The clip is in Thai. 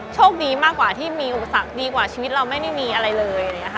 โชคดีมากกว่าที่มีอุปสรรคดีกว่าชีวิตเราไม่ได้มีอะไรเลย